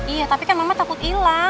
iya tapi kan mama takut hilang